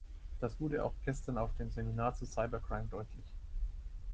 Das wurde auch gestern auf dem Seminar zu Cyber Crime deutlich.